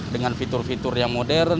dengan fitur fitur yang modern